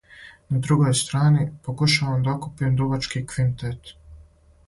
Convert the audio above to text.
На другој страни, покушавам да окупим дувачки квинтет.